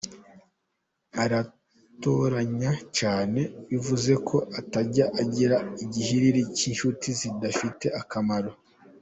Aratoranya cyane, bivuze ko atajya agira igihiriri cy’inshuti zidafiter akamaro.